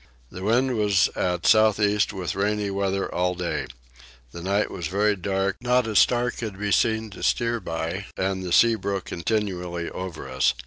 The wind was at south east with rainy weather all day. The night was very dark, not a star could be seen to steer by, and the sea broke continually over us.